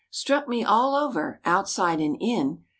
"Struck me all over, outside and in.